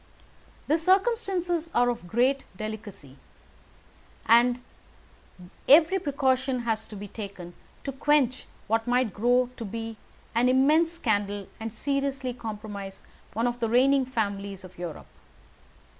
"The circumstances are of great delicacy, and every precaution has to be taken to quench what might grow to be an immense scandal, and seriously compromise one of the reigning families of Europe.